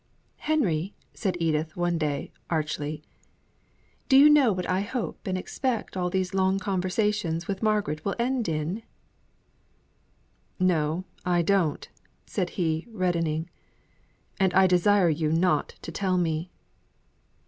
"Henry," said Edith, one day, archly; "do you know what I hope and expect all these long conversations with Margaret will end in?" "No, I don't," said he, reddening. "And I desire you not to tell me."